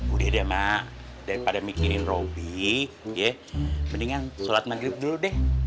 udah deh mak daripada mikirin robi ya mendingan sholat maghrib dulu deh